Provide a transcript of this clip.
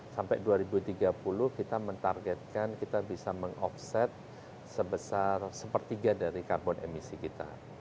sampai dua ribu tiga puluh kita mentargetkan kita bisa meng offset sebesar sepertiga dari karbon emisi kita